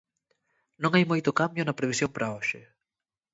Non hai moito cambio na previsión para hoxe.